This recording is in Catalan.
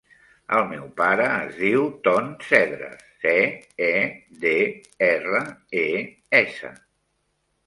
El meu pare es diu Ton Cedres: ce, e, de, erra, e, essa.